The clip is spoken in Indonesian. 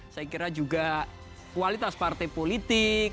saya kira juga kualitas partai politik